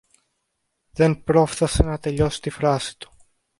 Δεν πρόφθασε να τελειώσει τη φράση του.